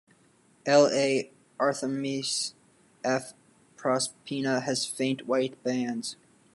"L. a. arthemis" f. "proserpina" has faint white bands.